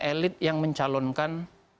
elit yang mencalonkan